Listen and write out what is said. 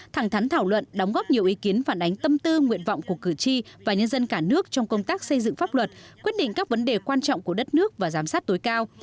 thẳng thắn thảo luận đóng góp nhiều ý kiến phản ánh tâm tư nguyện vọng của cử tri và nhân dân cả nước trong công tác xây dựng pháp luật quyết định các vấn đề quan trọng của đất nước và giám sát tối cao